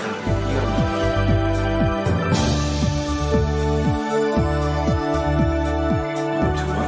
เยี่ยมมากครับ